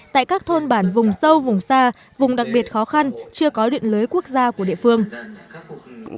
tại các thôn bản vùng sâu vùng xa vùng đặc biệt khó khăn chưa có điện lưới quốc gia của địa phương